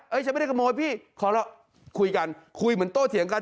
ฉันไม่ได้ขโมยพี่ขอเราคุยกันคุยเหมือนโต้เถียงกัน